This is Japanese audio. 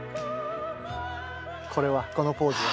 これはこのポーズは？